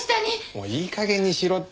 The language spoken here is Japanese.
もういい加減にしろって。